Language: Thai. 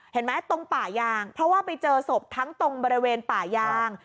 เห็นไหมตรงป่ายางเพราะว่าไปเจอศพทั้งตรงบริเวณป่ายาง